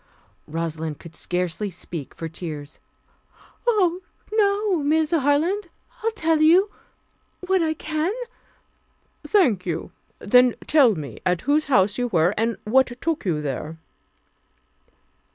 Rosalind could scarcely speak for tears. "Oh, no, Miss Harland. I'll tell you what I can " "Thank you. Then tell me at whose house you were, and what took you there?"